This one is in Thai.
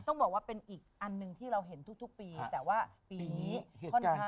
ต้องบอกว่าเป็นอีกอันหนึ่งที่เราเห็นทุกปีแต่ว่าปีนี้ค่อนข้าง